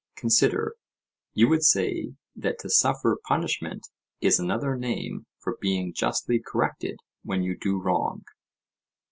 Consider:—You would say that to suffer punishment is another name for being justly corrected when you do wrong?